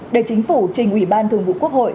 để chính phủ trình ủy ban thường vụ quốc hội